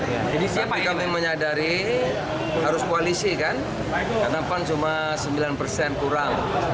jadi siapa yang menyadari harus koalisi kan karena pan cuma sembilan persen kurang